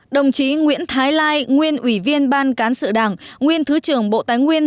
đồng chí nguyễn thái lai nguyên ủy viên ban cán sự đảng nguyên thứ trưởng bộ tài nguyên